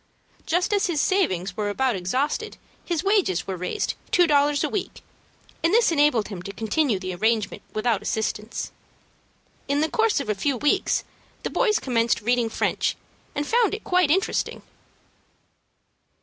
Just as his savings were about exhausted, his wages were raised two dollars a week, and this enabled him to continue the arrangement without assistance. In the course of a few weeks the boys commenced reading French, and found it quite interesting.